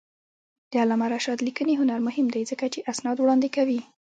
د علامه رشاد لیکنی هنر مهم دی ځکه چې اسناد وړاندې کوي.